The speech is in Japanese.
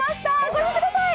ご覧ください。